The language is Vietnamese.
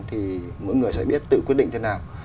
thì mỗi người sẽ biết tự quyết định thế nào